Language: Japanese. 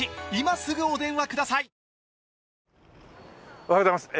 おはようございます。